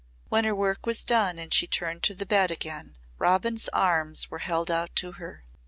When her work was done and she turned to the bed again Robin's arms were held out to her.